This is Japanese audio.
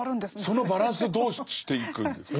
そのバランスはどうしていくんですか？